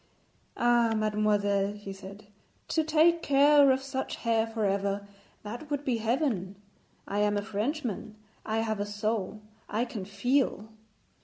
'Ah, mademoiselle,' he said, 'to take care of such hair for ever that would be heaven. I am a Frenchman; I have a soul; I can feel.'